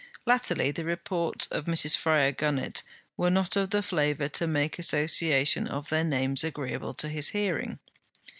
Latterly the reports of Mrs. Fryar Gunnett were not of the flavour to make association of their names agreeable to his hearing.